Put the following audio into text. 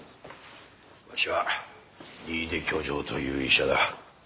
わしは新出去定という医者だ。